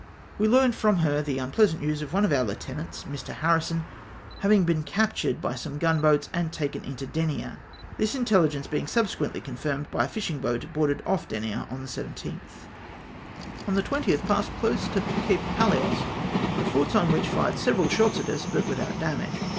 We learned from her the unpleasant news of one of our heutenants, Mr. Harrison, having been captiu ed by some gunboats, and taken into Denia ; this intelhgence being subsequently confirmed by a fishing boat boarded ofi* Denia on the 17 th. On the 20th passed close to Cape Palos, the forts on which fired several shots at us, but without damage.